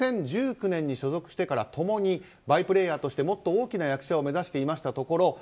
２０１９年に所属してから共にバイプレーヤーとしてもっと大きな役者を目指していましたところ